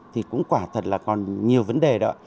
thì cũng quả thật là còn nhiều vấn đề đó